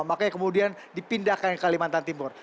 makanya kemudian dipindahkan ke kalimantan timur